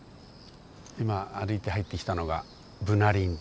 今歩いて入ってきたのがブナ林。